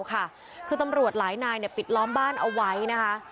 คือตำรวจหลายนายปิดล้อมบ้านเอาไว้นะคะ